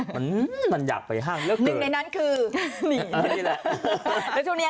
หนึ่งในนั้นคือหนี